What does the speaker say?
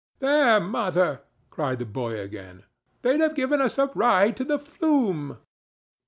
"There, mother!" cried the boy, again; "they'd have given us a ride to the Flume."